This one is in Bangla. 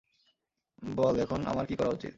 বল এখন আমার কী করা উচিত?